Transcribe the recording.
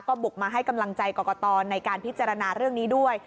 ก็บุกมาให้กำลังใจกรกตในการพิจารณาเรื่องนี้ด้วย